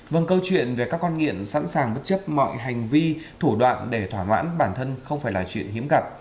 vâng câu chuyện về các con nghiện sẵn sàng bất chấp mọi hành vi thủ đoạn để thỏa mãn bản thân không phải là chuyện hiếm gặp